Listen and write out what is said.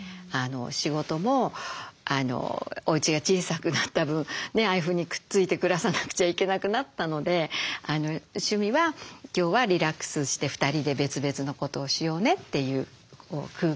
仕事もおうちが小さくなった分ああいうふうにくっついて暮らさなくちゃいけなくなったので趣味は今日はリラックスして２人で別々のことをしようねっていう空間を作ってます。